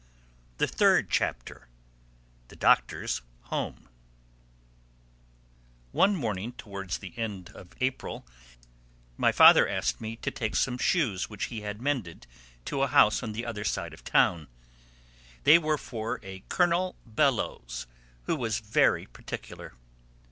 THE THIRD CHAPTER THE DOCTOR'S HOME ONE Monday afternoon towards the end of April my father asked me to take some shoes which he had mended to a house on the other side of the town. They were for a Colonel Bellowes who was very particular.